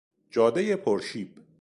جادهی پر شیب